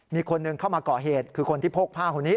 มีคนหนึ่งเข้ามาก่อเหตุคือคนที่โพกผ้าคนนี้